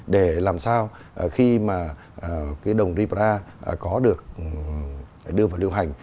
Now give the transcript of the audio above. để làm sao khi mà cái đồng libra có được đưa vào lưu hành